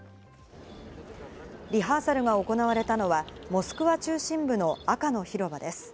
リハーサルが行われたのは、モスクワ中心部の赤の広場です。